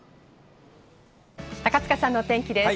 高塚さんのお天気です。